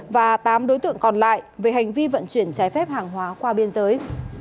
và tám đối tượng còn lại về hành vi vận chuyển trái phép hàng hóa qua biên giới